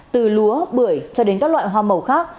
từ lúa bưởi cho đến các loại hoa màu khác